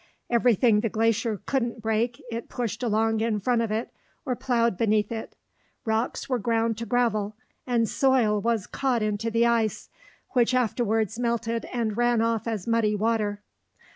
Everything the glacier couldn't break, it pushed along in front of it or plowed beneath it. Rocks were ground to gravel, and soil was caught into the ice, which afterwards melted and ran off as muddy water.